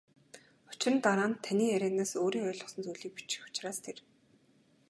Учир нь дараа нь таны ярианаас өөрийн ойлгосон зүйлийг бичих учраас тэр.